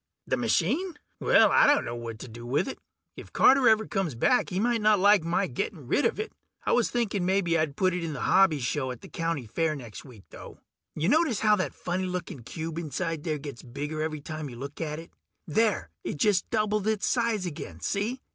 The machine? Well, I dunno what to do with it. If Carter ever comes back he might not like my getting rid of it. I was thinking mebbe I'd put it in the hobby show at the county fair next week, though. Ya notice how that funny looking cube inside there gets bigger every time you look at it? There ... it just doubled its size again, see?